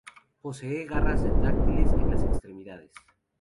Posee garras retráctiles en las extremidades.